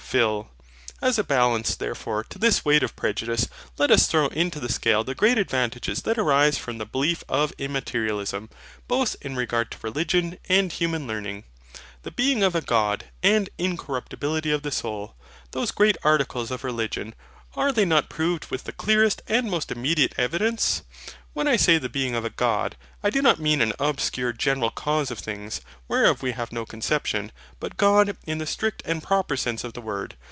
PHIL. As a balance, therefore, to this weight of prejudice, let us throw into the scale the great advantages that arise from the belief of Immaterialism, both in regard to religion and human learning. The being of a God, and incorruptibility of the soul, those great articles of religion, are they not proved with the clearest and most immediate evidence? When I say the being of a God, I do not mean an obscure general Cause of things, whereof we have no conception, but God, in the strict and proper sense of the word.